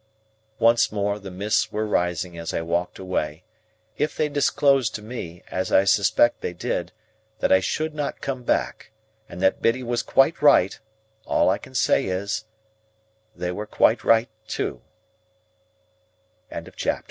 Once more, the mists were rising as I walked away. If they disclosed to me, as I suspect they did, that I should not come back, and that Biddy was quite right, all I can say is,—they were quite right t